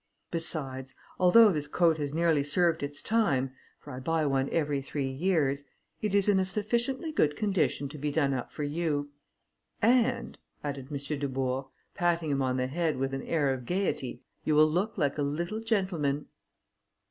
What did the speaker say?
Besides, although this coat has nearly served its time, for I buy one every three years, it is in a sufficiently good condition to be done up for you. And," added M. Dubourg, patting him on the head with an air of gaiety, "you will look like a little gentleman."